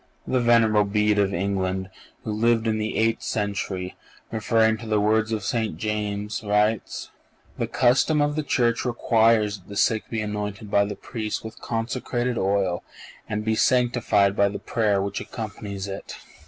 The venerable Bede of England, who lived in the eighth century, referring to the words of St. James, writes: "The custom of the Church requires that the sick be anointed by the Priests with consecrated oil and be sanctified by the prayer which accompanies it."